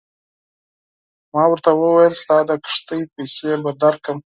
ما ورته وویل ستا د کښتۍ پیسې به درکړم.